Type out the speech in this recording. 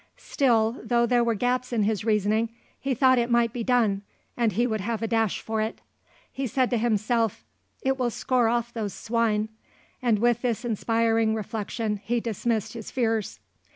Still, though there were gaps in his reasoning, he thought it might be done and he would have a dash for it. He said to himself, "It will score off those swine," and with this inspiring reflection he dismissed his fears.